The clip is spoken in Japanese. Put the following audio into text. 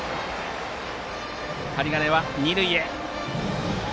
針金は二塁へ。